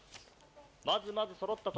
まずまずそろった。